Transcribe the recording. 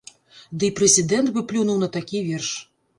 Дый прэзідэнт бы плюнуў на такі верш.